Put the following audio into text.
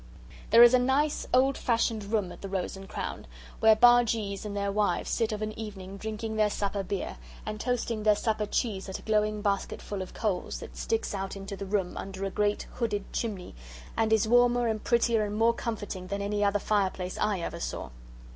There is a nice old fashioned room at the 'Rose and Crown; where Bargees and their wives sit of an evening drinking their supper beer, and toasting their supper cheese at a glowing basketful of coals that sticks out into the room under a great hooded chimney and is warmer and prettier and more comforting than any other fireplace I ever saw.